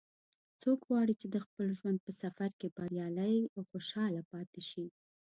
څوک غواړي چې د خپل ژوند په سفر کې بریالی او خوشحاله پاتې شي